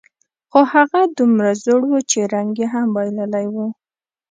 خو هغه دومره زوړ و، چې رنګ یې هم بایللی و.